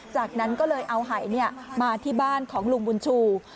จากนั้นก็เลยเอาหายมาที่บ้านของลุงบุญชู